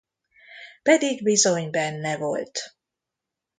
Pedig bizony benne volt.